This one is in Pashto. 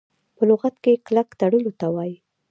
په لغت کي کلک تړلو ته وايي .